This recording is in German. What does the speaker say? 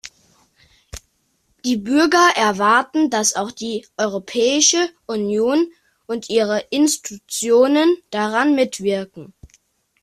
Die Bürger erwarten, dass auch die Europäische Union und ihre Institutionen daran mitwirken.